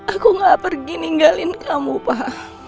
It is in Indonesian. aku gak pergi ninggalin kamu pak